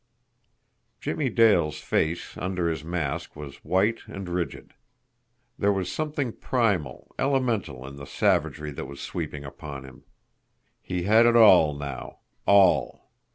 Jimmie Dale's face under his mask was white and rigid. There was something primal, elemental in the savagery that was sweeping upon him. He had it all now ALL!